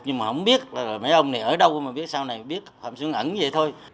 nhưng mà không biết mấy ông này ở đâu mà biết sao này biết phạm xuân ẩn vậy thôi